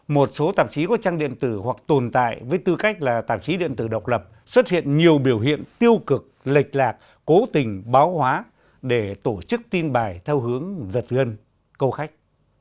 một số tạp chí có trang điện tử hoặc tồn tại với tư cách là tạp chí điện tử độc lập xuất hiện nhiều biểu hiện tiêu cực lệch lạc cố tình báo hóa để tổ chức tin bài theo hướng giật gân câu khách